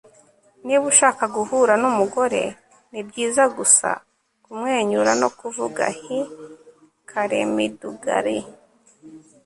niba ushaka guhura n'umugore, nibyiza gusa kumwenyura no kuvuga hi. - karen mcdougal